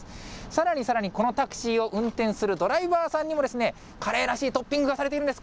さらにさらに、このタクシーを運転するドライバーさんにも、カレーらしいトッピングがされているんです。